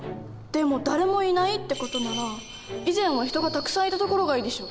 でも誰もいないって事なら以前は人がたくさんいた所がいいでしょ。